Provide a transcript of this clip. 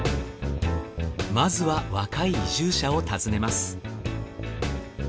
まずは若い移住者を訪ねます。